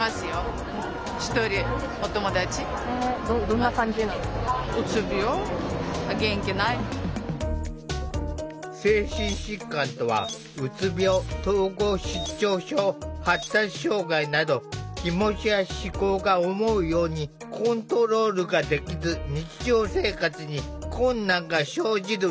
突然ですが精神疾患とはうつ病統合失調症発達障害など気持ちや思考が思うようにコントロールができず日常生活に困難が生じる病気。